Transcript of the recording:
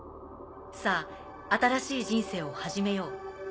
さぁ新しい人生を始めよう。